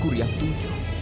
guru yang tujuh